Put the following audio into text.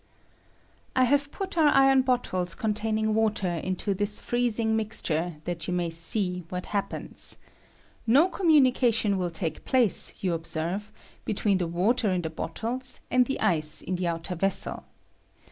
I have put our iron bottles containing water into this freezing mixture, that you may see what happens. No communication will take place, you observe, between the water in the bottles and the ice in the outer vessel.